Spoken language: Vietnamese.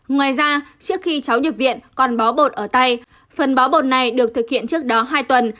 ngoài ra trước khi cháu nhập viện còn bó bột ở tay phần bó bột này được thực hiện trước đó hai tuần